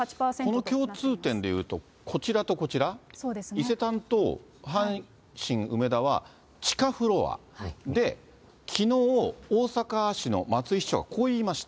この共通点でいうと、こちらとこちら、伊勢丹と阪神梅田は地下フロアで、きのう、大阪市の松井市長がこう言いました。